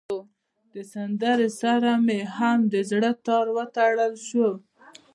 دې سندره سره مې هم د زړه تار وتړل شو.